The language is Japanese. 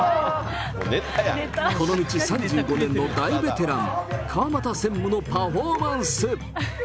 この道３５年の大ベテラン、川股専務のパフォーマンス。